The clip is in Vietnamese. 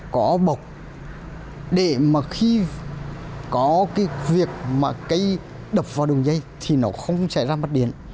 có cái việc mà cây đập vào đường dây thì nó không xảy ra mất điện